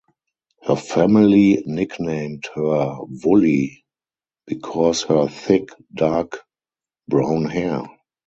Her family nicknamed her 'Woolly' because her thick, dark brown hair.